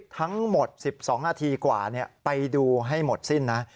ทั้งหมด๑๒นาทีกว่าไปดูให้หมดสิ้นนะ